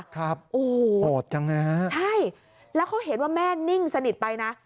ครับโอ้โหโหดจังเลยฮะใช่แล้วเขาเห็นว่าแม่นิ่งสนิทไปนะ